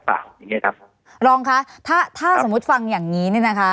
ลองคะถ้าสมมุติฟังอย่างนี้